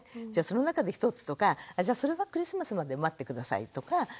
じゃその中で１つとかじゃそれはクリスマスまで待って下さいとか。